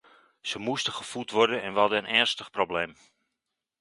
Ze moesten gevoed worden en we hadden een ernstig probleem.